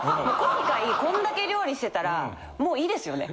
今回こんだけ料理してたらもういいですよね？